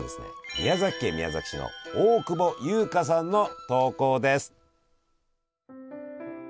宮崎県宮崎市の大久保優花さんの投稿です。